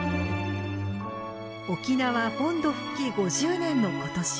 沖縄本土復帰５０年の今年。